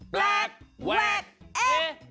แปลกแวกเอ